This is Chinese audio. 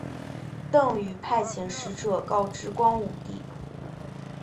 邓禹派遣使者告知光武帝。